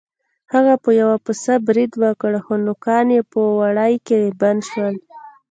هغه په یو پسه برید وکړ خو نوکان یې په وړۍ کې بند شول.